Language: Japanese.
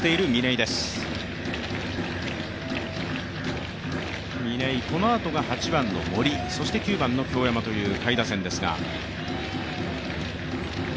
嶺井、このあとが８番の森、そして９番の京山という下位打線ですが。